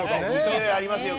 勢いありますよ